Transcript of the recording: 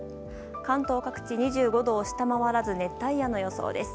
関東各地２５度を下回らず熱帯夜の予想です。